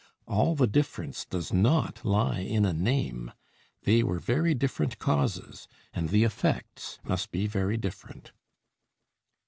All the difference does not lie in a name. They were very different causes, and the effects must be very different.